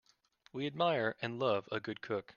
We admire and love a good cook.